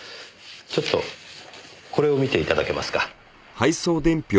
ちょっとこれを見ていただけますか？